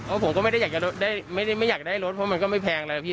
เพราะผมก็ไม่อยากได้รถเพราะมันก็ไม่แพงเลย